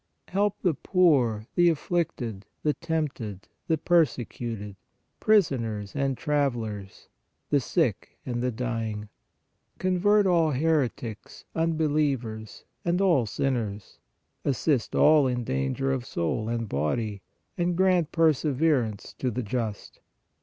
Help the poor, the afflicted, the tempted, the persecuted, prisoners and travelers, the sick and the dying. Convert all heretics, unbelievers and all sinners, assist all in danger of soul and body, and grant perseverance to the just.